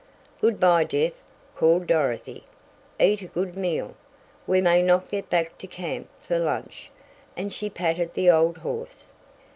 "Good bye, Jeff," called Dorothy. "Eat a good meal. We may not get back to camp for lunch," and she patted the old horse.